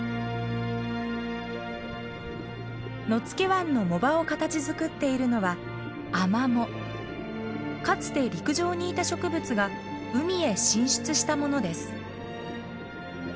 野付湾の藻場を形づくっているのはかつて陸上にいた植物が海へ進出したものです。